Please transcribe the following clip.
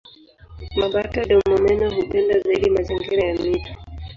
Mabata-domomeno hupenda zaidi mazingira ya mito.